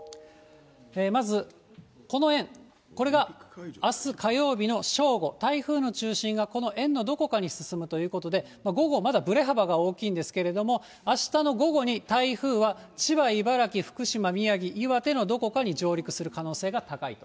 まずこの円、これがあす火曜日の正午、台風の中心がこの円のどこかに進むということで、午後、まだぶれ幅が大きいんですけれども、あしたの午後に、台風は千葉、茨城、福島、宮城、岩手のどこかに上陸する可能性が高いと。